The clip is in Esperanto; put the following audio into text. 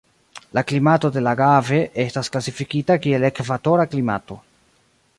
La klimato de Lagave estas klasifikita kiel ekvatora klimato.